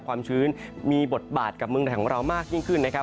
ความชื้นมีบทบาทกับเมืองไทยของเรามากยิ่งขึ้นนะครับ